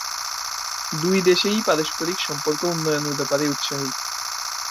দুই দেশই পারস্পরিক সম্পর্ক উন্নয়নের ব্যাপারে উৎসাহী।